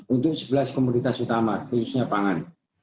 untuk sebelas komunitas utama khususnya pangan